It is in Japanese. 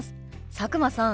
佐久間さん